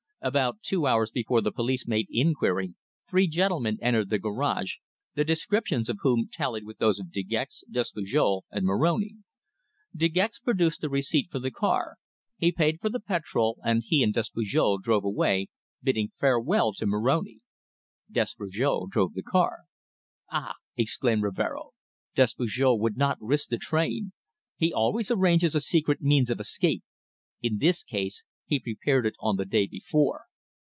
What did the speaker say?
About two hours before the police made inquiry three gentlemen entered the garage, the descriptions of whom tallied with those of De Gex, Despujol and Moroni. De Gex produced the receipt for the car. He paid for the petrol, and he and Despujol drove away bidding farewell to Moroni! Despujol drove the car. "Ah!" exclaimed Rivero. "Despujol would not risk the train. He always arranges a secret means of escape. In this case he prepared it on the day before.